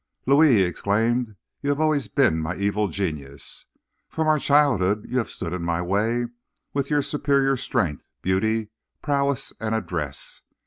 "'Louis,' he exclaimed, 'you have always been my evil genius. From our childhood you have stood in my way with your superior strength, beauty, prowess and address.